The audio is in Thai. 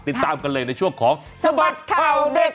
ติดตามกันเลยในช่วงของสบัดข่าวเด็ก